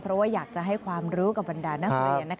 เพราะว่าอยากจะให้ความรู้กับบรรดานักเรียน